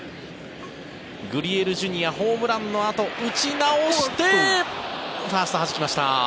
グリエルＪｒ．ホームランのあと打ち直してファースト、はじきました。